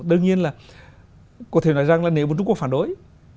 đương nhiên là có thể nói rằng là nếu một trung quốc phản đối